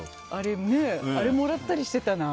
あれもらったりしてたな。